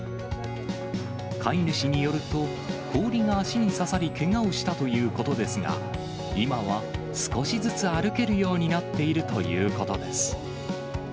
飼い主によると、氷が足に刺さり、けがをしたということですが、今は少しずつ歩けるようになっているということです。